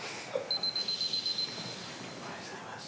・おはようございます。